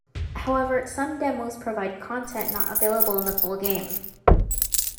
However, some demos provide content not available in the full game.